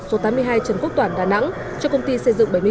số tám mươi hai trần quốc toản đà nẵng cho công ty xây dựng bảy mươi tám